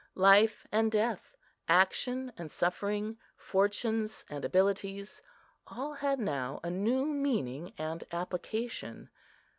Life and death, action and suffering, fortunes and abilities, all had now a new meaning and application.